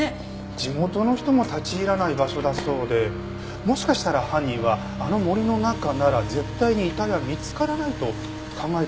地元の人も立ち入らない場所だそうでもしかしたら犯人はあの森の中なら絶対に遺体は見つからないと考えたんでしょうね。